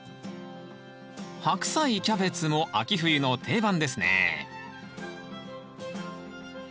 ハクサイキャベツも秋冬の定番ですね